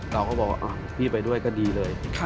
เราก็บอกว่าพี่ไปด้วยก็ดีเลย